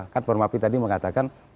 kan power mapi tadi mengatakan